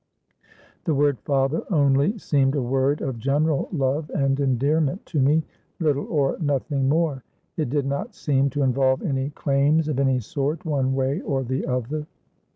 The word father only seemed a word of general love and endearment to me little or nothing more; it did not seem to involve any claims of any sort, one way or the other.